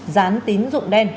gián tín rụng đen